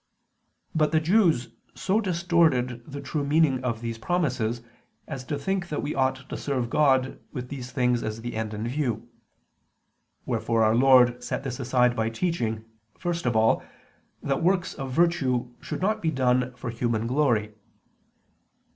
But the Jews so distorted the true meaning of these promises, as to think that we ought to serve God, with these things as the end in view. Wherefore Our Lord set this aside by teaching, first of all, that works of virtue should not be done for human glory.